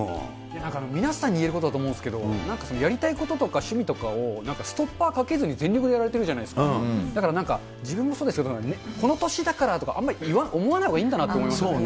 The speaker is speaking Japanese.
だから、皆さんに言えることだと思うんですけど、なんかやりたいこととか趣味とかを、ストッパーかけずに全力でやられてるんじゃないですか、だからなんか、自分もそうですけど、この年だからとか、あんまり思わないほうがいいんだなと思いましたね。